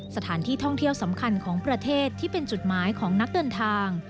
สถานที่ท่องเที่ยวสำคัญของประเทศที่เป็นจุดหมายของนักเดินทาง